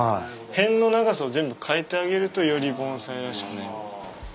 辺の長さを全部変えてあげるとより盆栽らしくなります。